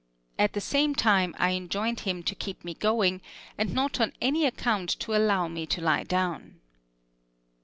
At the same time I enjoined him to keep me going, and not on any account to allow me to lie down.